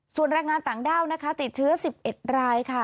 ส่วนแรงงานต่างด้าวติดเชื้อ๑๑ราย